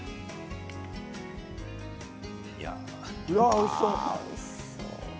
おいしそう。